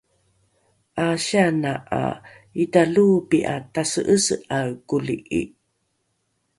’asiana ’a italoopi’a tase’ese’ae koli’i